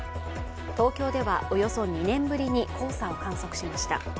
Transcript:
東京ではおよそ２年ぶりに黄砂を観測しました。